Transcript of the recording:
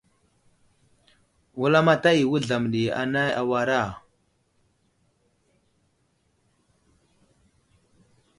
Wulamataya i Wuzlam ɗi anay awara.